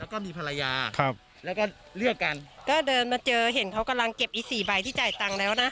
แล้วก็มีภรรยาครับแล้วก็เลือกกันก็เดินมาเจอเห็นเขากำลังเก็บอีสี่ใบที่จ่ายตังค์แล้วนะ